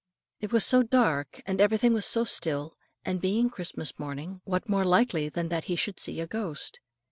It was so dark, and everything was so still, and being Christmas morning, what more likely than that he should see a ghost.